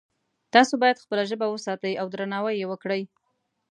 تاسو باید خپله ژبه وساتئ او درناوی یې وکړئ